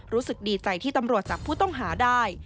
รู้สึกดีใจที่ตำรวจจับผู้ต้องหาได้